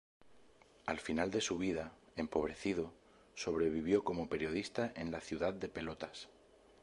Al final de su vida, empobrecido, sobrevivió como periodista en la ciudad de Pelotas.